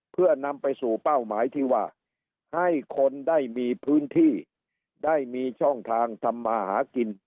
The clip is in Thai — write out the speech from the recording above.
เพื่อนำไปสู่เป้าหมายที่ว่าให้คนได้มีพื้นที่ได้มีช่องทางทำมาหากิน